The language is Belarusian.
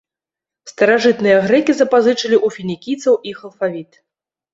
Старажытныя грэкі запазычылі ў фінікійцаў іх алфавіт.